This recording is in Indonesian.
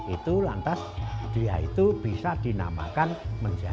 itu lantas dia itu bisa dinamakan menjadi